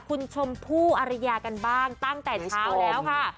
คุณชมพู่อริยากันบ้างตั้งแต่เช้าแล้วค่ะ